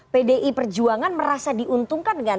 pdi perjuangan merasa diuntungkan